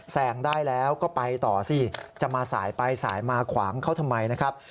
ได้แล้วก็ไปต่อสิจะมาสายไปสายมาขวางเขาทำไมนะครับ